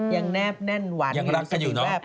ยังแนบแน่นหวานในสติแบบยังรักกันอยู่เนอะ